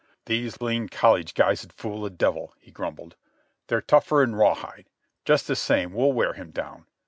"These lean college guys 'd fool the devil," he grumbled. "They're tougher 'n raw hide. Just the same we'll wear him down.